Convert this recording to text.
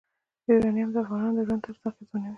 یورانیم د افغانانو د ژوند طرز اغېزمنوي.